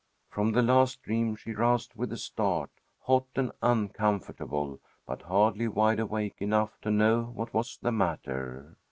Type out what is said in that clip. From the last dream she roused with a start, hot and uncomfortable, but hardly wide awake enough to know what was the matter.